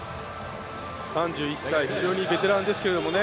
３１歳非常にベテランですけれどもね